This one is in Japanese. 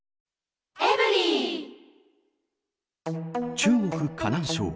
中国・河南省。